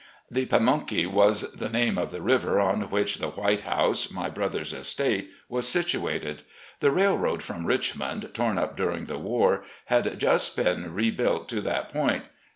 The Pamunkey was the name of the river on which the White House, my brother's estate, was situated. The railroad from Richmond, tom up during the war, had just been rebuilt to that point.